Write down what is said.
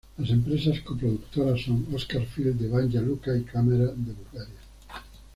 Las empresas co-productoras son Oskar Film de Banja Luka y Camera de Bulgaria.